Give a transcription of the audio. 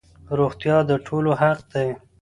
روغتيا د ټولو حق دی.